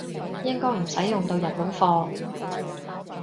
應該唔使用到日本貨